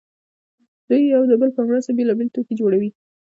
دوی یو د بل په مرسته بېلابېل توکي جوړوي